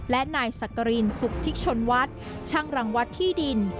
และนายสักกรินสุธิชนวัดช่างรังวัดที่ดิน